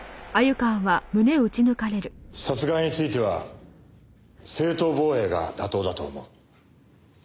殺害については正当防衛が妥当だと思う。